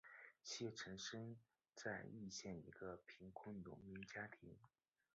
谢臣生在易县一个贫苦农民家庭。